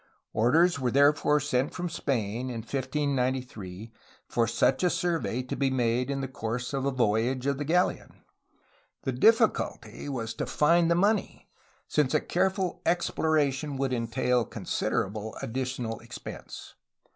Orders were therefore sent from Spain, in 1593, for such a survey to be made in course of a voyage of the galleon. The diffi culty was to find the money, since a careful exploration would entail considerable additional expense.